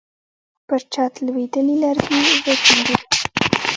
پر چت لوېدلي لرګي وچونګېدل.